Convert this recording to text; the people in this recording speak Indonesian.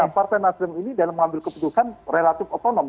nah partain asdem ini dalam mengambil keputusan relatif otonom